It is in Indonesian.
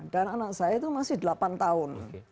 dan anak saya itu masih delapan tahun